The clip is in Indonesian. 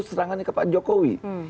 serangannya kepada pak jokowi